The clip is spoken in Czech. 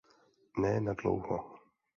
Ne nadlouho.